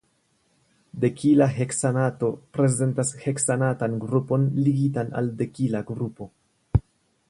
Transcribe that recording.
Dekila heksanato prezentas heksanatan grupon ligitan al dekila grupo.